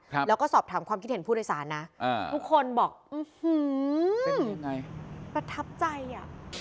ครับแล้วก็สอบถามความคิดเห็นผู้โดยสารนะอ่าทุกคนบอกอื้อหือเป็นยังไงประทับใจอ่ะ